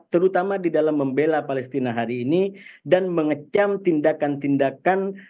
terutama di dalam membela palestina hari ini dan mengecam tindakan tindakan